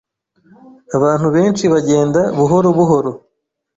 Abantu benshi bagenda buhoro buhoro